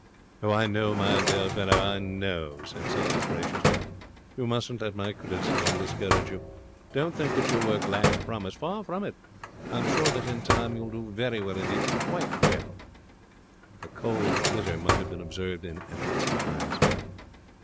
'I know, my dear fellow; I know,' said Sellers, graciously. 'You mustn't let my criticism discourage you. Don't think that your work lacks promise. Far from it. I am sure that in time you will do very well indeed. Quite well.' A cold glitter might have been observed in Annette's eyes.